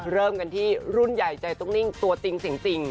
เริ่มกันที่รุ่นใหญ่ใจตุ๊กนิ่งตัวจริงเสียงจริง